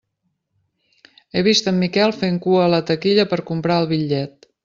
He vist en Miquel fent cua a la taquilla per comprar el bitllet.